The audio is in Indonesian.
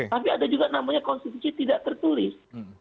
tapi ada juga namanya konstitusi tidak tertulis